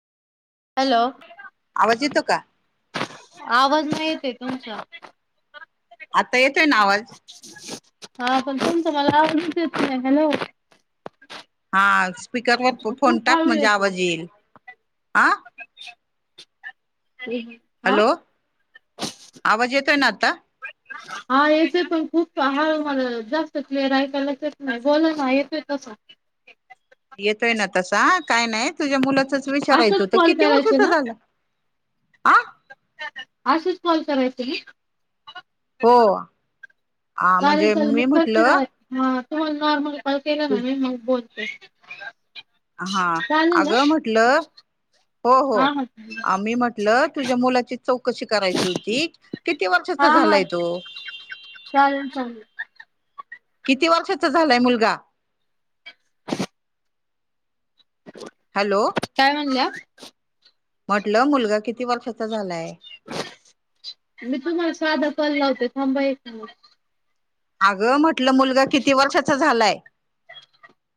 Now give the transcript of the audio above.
Hello आवाज येतो का आवाज माहिते आहे तुमचा आता येतोय ना आवाज. हा पण तुमचा मला आवाजच येत नाही. हॅलो हा स्पीकरवर फोन खूप टाक हळू म्हणजे आवाज येतोय येईल हं हा हॅलो आवाज येतोय ना आता हा येतोय पण खूप हाळू हाळू जास्त क्लीयर ऐकायलाच येत नाही. बोला ना येतय तस हां [inaudible] येतोय ना तसा काय नाही. तुझ्या मुल तेचच विचारायच असंच कॉल किती करायचे वर्षाचा ना झाला. आसच कॉल करायच ना हो हा चालेल म्हणजे चालेल मी तेव्हच [inaudible] म्हटलं तुम्हाला नॉर्मल कॉल केला ना तू मी मग बोलते. हा चालेल ना आगं म्हटलं. हो हो हा हा आम्ही म्हटलं तुझ्या मुलाची चौकशी करायची होती किती हा वर्षाचा हा झालाय तो चालेल चालेल किती वर्षाचा झालंय मुलगा हॅलो काय म्हणल्या म्हटलं मुलगा किती वर्षा मी तुम्हाला साधा कॉल लावते थांबा एक मीनीटं अगं म्हटलं मुलगा किती वर्षाचा झालाय